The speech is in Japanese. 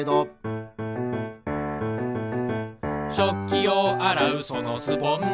「しょっきをあらうそのスポンジ」